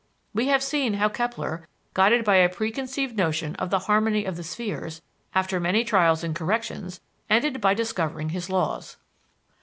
We have seen how Kepler, guided by a preconceived notion of the "harmony of the spheres," after many trials and corrections, ended by discovering his laws.